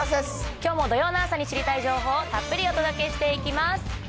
きょうも土曜の朝に知りたい情報をたっぷりお届けしていきます。